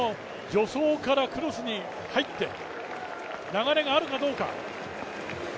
助走からクロスに入って流れがあるかどうか。